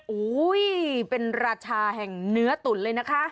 โอ้โหเป็นราชาแห่งเนื้อตุ๋นเลยนะคะ